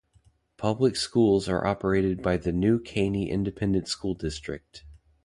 Public schools are operated by the New Caney Independent School District.